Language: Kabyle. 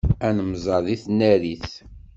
Ad nemmẓer deg tnarit.